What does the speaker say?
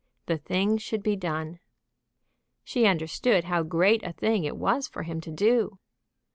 The thing should be done. She understood how great a thing it was for him to do.